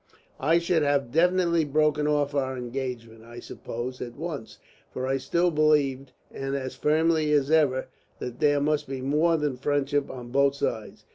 "I should have definitely broken off our engagement, I suppose, at once. For I still believed, and as firmly as ever, that there must be more than friendship on both sides.